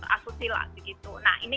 asusila nah ini